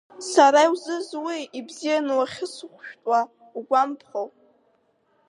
Сара иузызуи, ибзианы уахьысыхәшәтәуа угәамԥхоу?